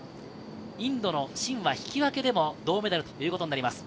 インドのシンは引き分けでも銅メダルということになります。